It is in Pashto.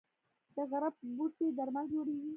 د غره بوټي درمل جوړوي